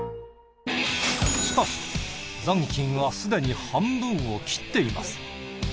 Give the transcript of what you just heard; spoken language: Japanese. しかし残金はすでに半分を切っています。